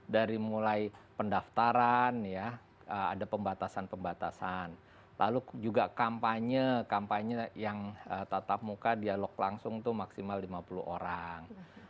dari mulai pendaftaran ya ada pembatasan pembatasan lalu juga kampanye kampanye yang tatap muka dialog langsung itu maksimal lima puluh orang